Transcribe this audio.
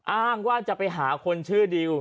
อ้างว่าจะไปหาคนชื่อดิว